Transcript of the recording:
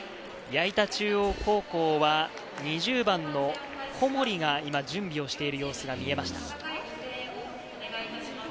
矢板中央高校は２０番の小森が今準備をしている様子が見えました。